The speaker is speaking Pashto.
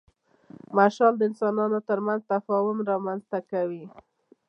مشال د انسانانو تر منځ تفاهم رامنځ ته کوي.